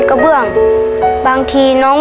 ออทารง